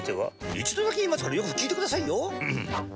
一度だけ言いますからよく聞いてくださいよ。